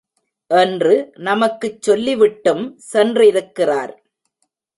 என்று நமக்குச் சொல்லி விட்டும் சென்றிருக்கிறார்.